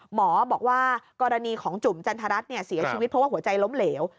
หมอบอกว่ากรณีของจุ่มจันทรัฐเสียชีวิตเพราะว่าหัวใจล้มเหลว